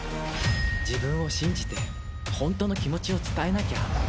自分を信じて本当の気持ちを伝えなきゃ！